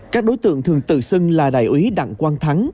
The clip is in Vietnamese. các đối tượng thường tự sân là đại ủy đặng quang thắng